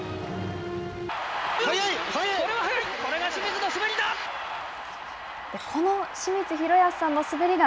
これが清水の滑りだ。